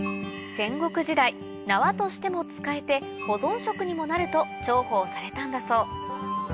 戦国時代縄としても使えて保存食にもなると重宝されたんだそう